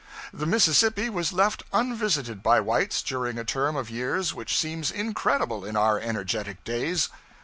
The Mississippi was left unvisited by whites during a term of years which seems incredible in our energetic days.